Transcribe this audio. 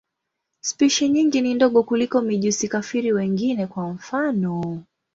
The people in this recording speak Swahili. Spishi nyingi ni ndogo kuliko mijusi-kafiri wengine, kwa mfano.